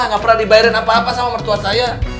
tidak pernah dibayarin apa apa sama perempuan saya